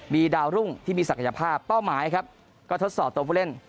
มีดาวรุ่งที่มีศักยภาพเป้าหมายครับก็ทดสอบตัวผู้เล่น